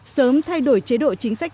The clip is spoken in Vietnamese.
sớm thay đổi chế độ chính sách